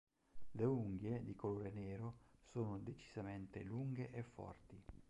Le unghie, di colore nero, sono decisamente lunghe e forti.